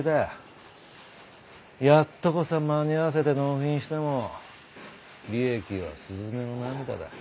やっとこさ間に合わせて納品しても利益は雀の涙だ。